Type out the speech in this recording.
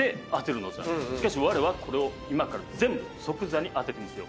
しかしわれはこれを今から全部即座に当ててみせよう。